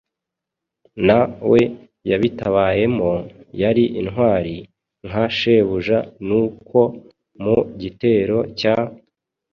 na we yabitabayemo, yari intwari nka shebuja. Nuko mu gitero cya